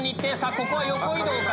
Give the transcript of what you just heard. ここは横移動か？